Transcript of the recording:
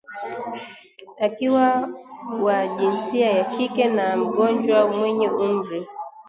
wakiwa wa jinsia ya kike na mgonjwa mwenye umri